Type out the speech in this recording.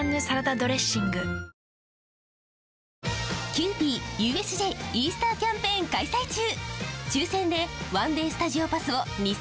キユーピーＵＳＪイースターキャンペーン開催中！